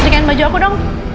dekatin baju aku dong